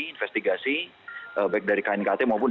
investigasi baik dari knkt maupun